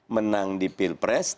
menang di pilpres